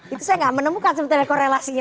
itu saya nggak menemukan sebetulnya korelasinya